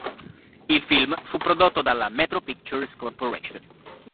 Il film fu prodotto dalla Metro Pictures Corporation.